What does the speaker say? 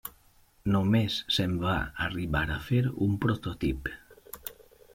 Només se'n va arribar a fer un prototip.